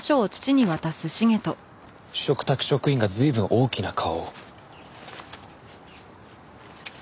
嘱託職員が随分大きな顔を。